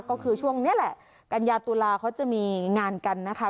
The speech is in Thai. ก็คือช่วงนี้แหละกัญญาตุลาเขาจะมีงานกันนะคะ